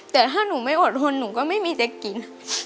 แต่ถ้าหนูไม่อดทนหนูก็ไม่มีจะกิน